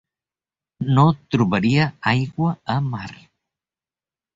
No trobaria aigua a mar.